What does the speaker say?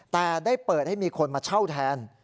แต่ได้เปิดให้มีคนมาเช่าแทน